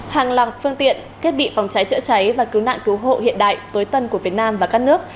hàng loạt phương tiện thiết bị phòng cháy chữa cháy và cứu nạn cứu hộ hiện đại tối tân của việt nam và các nước